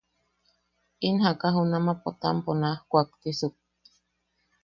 In jaaka junama Potampo naj kuaktisuk.